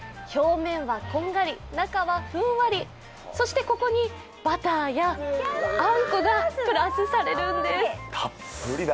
表面はこんがり、中はふんわりそしてここにバターやあんこがプラスされるんです。